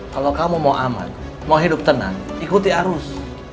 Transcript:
kalau kamu mau aman mau hidup tenang ikuti arus